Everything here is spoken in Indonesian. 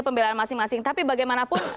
pembelaan masing masing tapi bagaimanapun